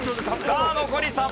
さあ残り３問。